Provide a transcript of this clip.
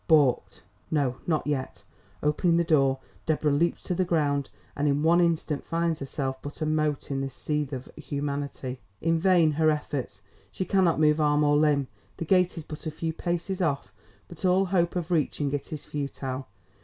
Balked? No, not yet. Opening the door, Deborah leaps to the ground and in one instant finds herself but a mote in this seethe of humanity. In vain her efforts, she cannot move arm or limb. The gate is but a few paces off, but all hope of reaching it is futile.